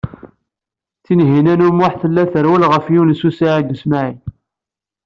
Tinhinan u Muḥ tella trewwel ɣef Yunes u Saɛid u Smaɛil.